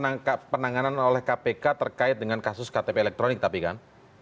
penanganan oleh kpk terkait dengan kasus ktp elektronik tapi kan